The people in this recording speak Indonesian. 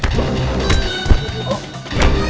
duh duh duh